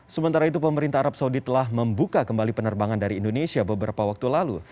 sementara itu pemerintah arab saudi telah membuka kembali penerbangan dari indonesia beberapa waktu lalu